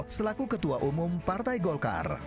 selaku ketua umum partai golkar